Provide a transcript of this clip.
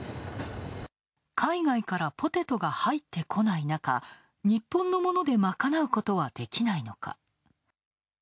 海外からポテトが入ってこない中日本のもので賄うことはできないのか？